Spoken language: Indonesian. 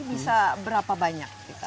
bisa berapa banyak kita panennya